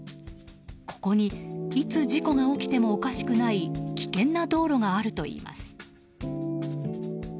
ここにいつ事故が起きてもおかしくない危険な道路があるといいます。